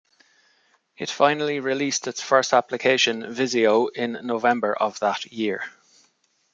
It finally released its first application, Visio, in November of that year.